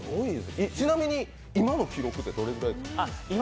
ちなみに今の記録はどれくらいですか？